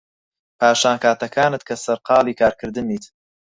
پاشان کاتەکانت کە سەرقاڵی کارکردن نیت